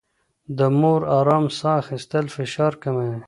د مور ارام ساه اخيستل فشار کموي.